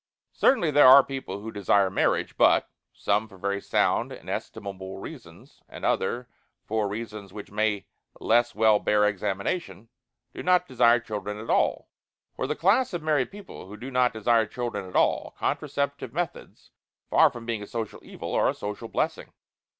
Certainly there are people who desire marriage, but some for very sound and estimable reasons and other for reasons which may less well bear examination do not desire children at all. For the class of married people who do not desire children at all, contraceptive methods, far from being a social evil, are a social blessing.